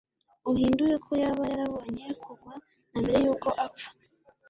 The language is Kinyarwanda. Uhindure ko yaba yarabonye kugwa na mbere yuko apfa